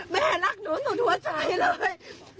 แม่รักหนูสุดหัวใจเลย